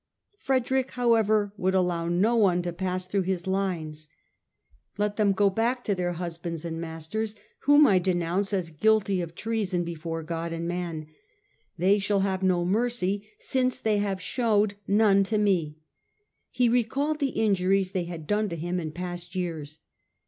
Frederick, however, would allow no one to pass through his lines. " Let them go back to their husbands and masters, whom I denounce as guilty of treason before God and man ; they shall have no mercy since they showed none to me." He recalled the injuries they had done to him in past years.